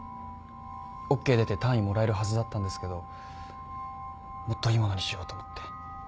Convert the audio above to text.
ＯＫ出て単位もらえるはずだったんですけどもっといいものにしようと思って。